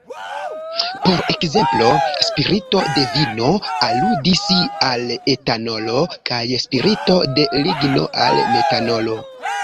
Por ekzemplo "spirito de vino" aludis al etanolo, kaj "spirito de ligno" al metanolo.